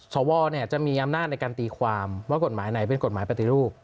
สวจะมีอำนาจในการตีความว่ากฎหมายไหนเป็นกฎหมายปฏิรูป